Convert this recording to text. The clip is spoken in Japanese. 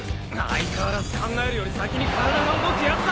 相変わらず考えるより先に体が動くヤツだ。